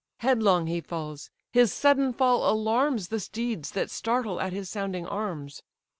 Headlong he falls: his sudden fall alarms The steeds, that startle at his sounding arms.